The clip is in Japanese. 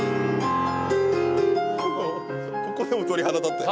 ここでも鳥肌立ったよ。